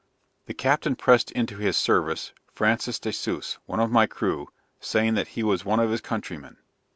The captain pressed into his service Francis de Suze, one of my crew, saying that he was one of his countrymen.